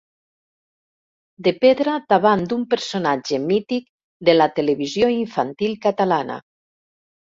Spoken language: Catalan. De pedra davant d'un personatge mític de la televisió infantil catalana.